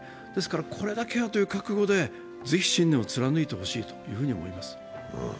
これだけはという覚悟でぜひ、信念を貫いてほしいと思います。